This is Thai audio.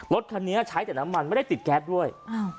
รถคันนี้ใช้แต่น้ำมันไม่ได้ติดแก๊สด้วย